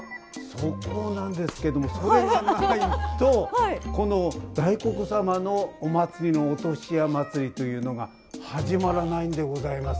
そこなんですけどそれがないとこの大黒様のお歳夜祭りというのが始まらないんでございます。